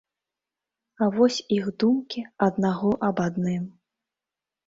А вось іх думкі аднаго аб адным.